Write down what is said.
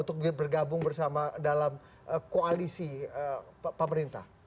untuk bergabung bersama dalam koalisi pemerintah